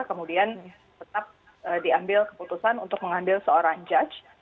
kemudian tetap diambil keputusan untuk mengambil seorang judge